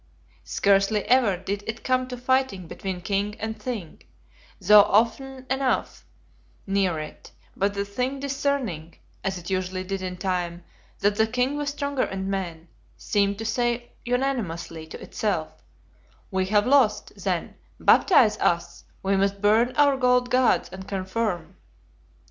Scarcely ever did it come to fighting between King and Thing, though often enough near it; but the Thing discerning, as it usually did in time, that the King was stronger in men, seemed to say unanimously to itself, "We have lost, then; baptize us, we must burn our old gods and conform."